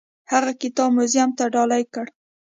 هغه کتاب موزیم ته ډالۍ کړ.